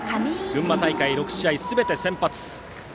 群馬大会６試合、すべて先発。